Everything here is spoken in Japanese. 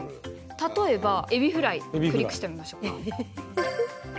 例えば「エビフライ」クリックしてみましょうか。